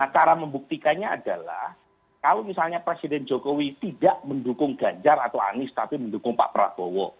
cara membuktikannya adalah kalau misalnya presiden jokowi tidak mendukung ganjar atau anies tapi mendukung pak prabowo